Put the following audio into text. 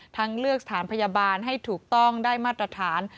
เลือกสถานพยาบาลให้ถูกต้องได้มาตรฐาน